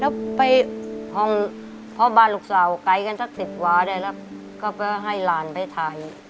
แล้วไปห้องพ่อบ้านลูกสาวไกลกันสักสิบวาได้แล้วก็ไปให้หลานไปถ่าย